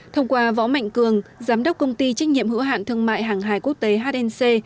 thông qua võ mạnh cường giám đốc công ty trách nhiệm hữu hạn thương mại hàng hài quốc tế hnc